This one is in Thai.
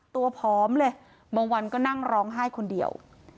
ผอมเลยบางวันก็นั่งร้องไห้คนเดียว